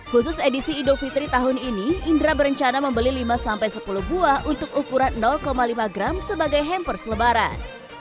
khusus edisi idul fitri tahun ini indra berencana membeli lima sampai sepuluh buah untuk ukuran lima gram sebagai hampers selebaran